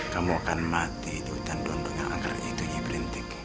kamu akan mati di hutan dundung yang akan menyambotkan nyai berintik